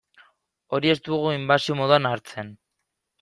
Hori ez dugu inbasio moduan hartzen.